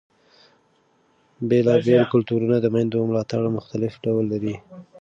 بېلابېل کلتورونه د مېندو ملاتړ مختلف ډول لري.